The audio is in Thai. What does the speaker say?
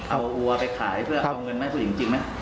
เอาวัวไปขายเพื่อเอาเงินมาให้ผู้หญิงจริงไหม